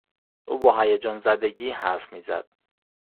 او با هیجانزدگی حرف میزد.